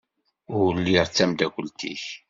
Ur lliɣ d tamdakelt-ik.